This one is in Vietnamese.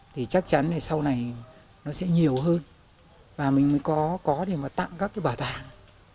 thì chắc chắn là sau này nó sẽ nhiều hơn và mình mới có có thì mà tặng các cái bảo tàng